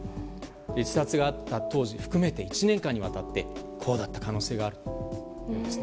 自殺があった当時含めて１年間にわたってこうだった可能性があります。